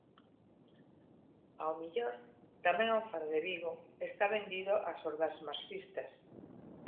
Ao mellor, tamén o Faro de Vigo está vendido ás hordas marxistas.